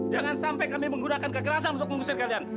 jangan sampai kami menggunakan kekerasan untuk mengusir kalian